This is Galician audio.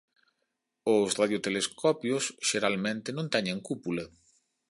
Os radiotelescopios xeralmente non teñen cúpula.